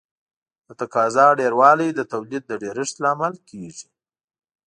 د تقاضا ډېروالی د تولید د ډېرښت لامل کیږي.